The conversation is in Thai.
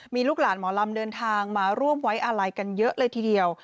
มีลูกหลานหมอลำเดินทางมาร่วมไว้อาลัยกันเยอะเลยทีเดียว